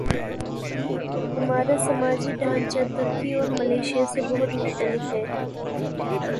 ہمارا سماجی ڈھانچہ ترکی اور ملائشیا سے بہت مختلف ہے۔